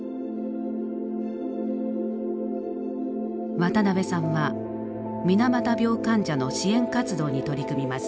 渡辺さんは水俣病患者の支援活動に取り組みます。